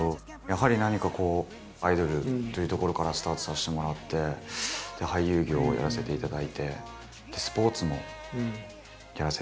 やはり何かこうアイドルというところからスタートさせてもらって俳優業をやらせていただいてスポーツもやらせていただいて。